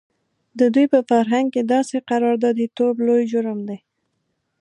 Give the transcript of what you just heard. د دوی په فرهنګ کې داسې قراردادي توب لوی جرم دی.